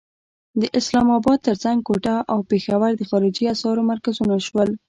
د اسلام اباد تر څنګ کوټه او پېښور د خارجي اسعارو مرکزونه شول.